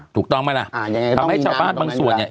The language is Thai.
ถูกต้องไหมล่ะทำให้ชาวบ้านบางส่วนเนี่ย